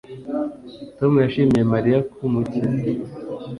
Tom yashimiye Mariya kumukiza